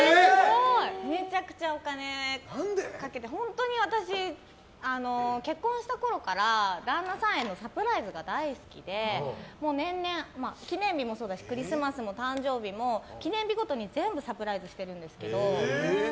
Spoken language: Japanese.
めちゃくちゃお金かけて本当に私結婚したころから、旦那さんへのサプライズが大好きで年々、記念日もそうだしクリスマスも誕生日も記念日ごとに全部サプライズしてるんですけど。